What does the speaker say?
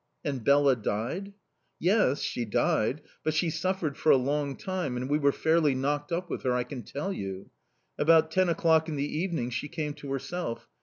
"And Bela died?" "Yes, she died, but she suffered for a long time, and we were fairly knocked up with her, I can tell you. About ten o'clock in the evening she came to herself.